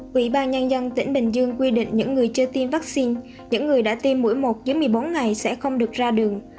quỹ ban nhân dân tỉnh bình dương quy định những người chưa tiêm vaccine những người đã tiêm mỗi một dưới một mươi bốn ngày sẽ không được ra đường